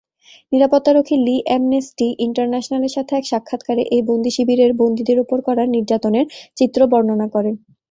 নিরাপত্তা রক্ষী Lee Amnesty ইন্টারন্যাশনালের সাথে এক সাক্ষাতকারে এই বন্দী শিবিরের বন্দীদের উপর করা নির্যাতনের চিত্র বর্ণনা করেন।